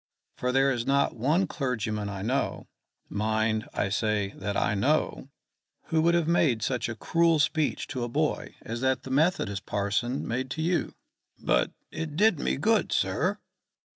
For there is not one clergyman I know mind, I say, that I know who would have made such a cruel speech to a boy as that the Methodist parson made to you." "But it did me good, sir?"